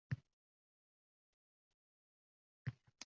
avtomatik tarzda ijobiy natijaga olib keladi degani emas.